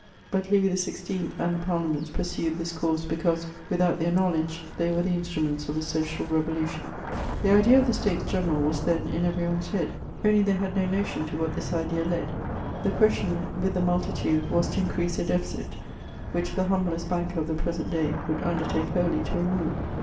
But Louis XVI. and the Parliaments pursued this course because, without their knowledge, they were the instruments of a social revolution. The idea of the States General was then in every one's head, CHATEAUBRIAND . 191 only they had no notion to what this idea led. The question with the multitude was to increase a deficit, which the humblest banker of the present day would undertake wholly to remove.